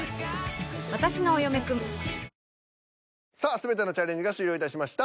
全てのチャレンジが終了いたしました。